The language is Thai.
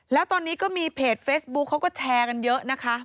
แล้วตอนนี้ก็มีเพจเฟซบุ๊คเขาก็แชร์กันเยอะนะคะ